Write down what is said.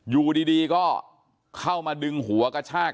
อยู่ดีก็เข้ามาดึงหัวกระชาก